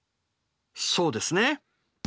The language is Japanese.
そうですね。